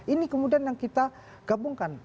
ini kemudian yang kita gabungkan